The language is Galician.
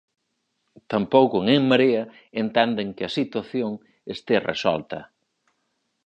Tampouco en En Marea entenden que a situación estea resolta.